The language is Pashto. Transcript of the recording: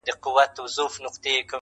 اسمان راڅخه اخلي امتحان څه به کوو؟-